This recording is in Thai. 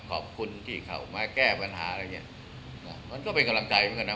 ขอบคุณที่เข้ามาแก้ปัญหาอะไรอย่างเงี้ยมันก็เป็นกำลังใจเหมือนกันนะ